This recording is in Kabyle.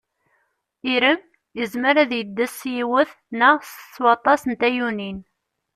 Irem yezmer ad yeddes s yiwet neɣ s waṭas n tayunin.